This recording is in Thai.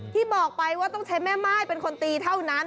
ที่บอกไปว่าต้องใช้แม่ม่ายเป็นคนตีเท่านั้น